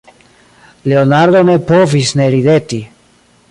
Leonardo ne povis ne rideti.